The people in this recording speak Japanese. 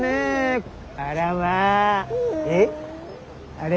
あれ？